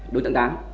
đối tượng tám